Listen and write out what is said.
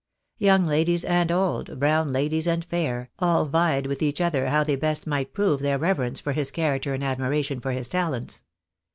Young ladies and old, brown ladies and fair, all vied with each other how they best might prove their reverence for his character and admira tion for his talents.